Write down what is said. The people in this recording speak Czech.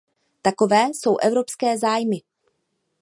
Takové jsou evropské zájmy.